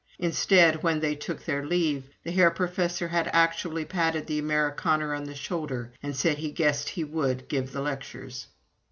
Instead, when they took their leave, the Herr Professor had actually patted the Amerikaner on the shoulder, and said he guessed he would give the lectures.